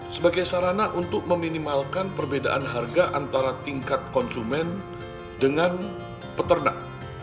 sebagai sarana untuk meminimalkan perbedaan harga antara tingkat konsumen dengan peternak